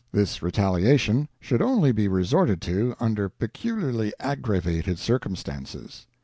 This retaliation should only be resorted to under peculiarly aggravated circumstances.